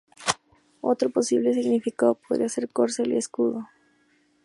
Otro posible significado podría ser 'corcel y escudo'.